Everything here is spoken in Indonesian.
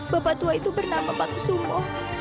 bapak tua itu bernama pak kusumo